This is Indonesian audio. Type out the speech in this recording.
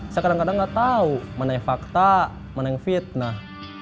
saya kadang kadang nggak tahu mana yang fakta mana yang fitnah